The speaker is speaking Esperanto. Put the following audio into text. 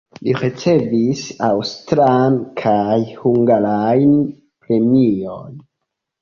Li ricevis aŭstran kaj hungarajn premiojn.